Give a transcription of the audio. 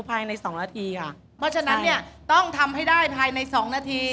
ภายในสองนาทีค่ะเพราะฉะนั้นเนี่ยต้องทำให้ได้ภายในสองนาที